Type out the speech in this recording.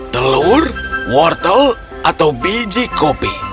telur wortel atau biji kopi